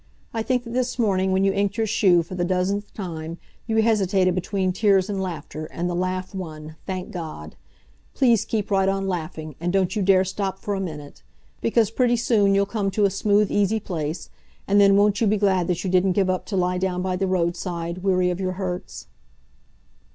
I think that this morning, when you inked your shoe for the dozenth time, you hesitated between tears and laughter, and the laugh won, thank God! Please keep right on laughing, and don't you dare stop for a minute! Because pretty soon you'll come to a smooth easy place, and then won't you be glad that you didn't give up to lie down by the roadside, weary of your hurts?"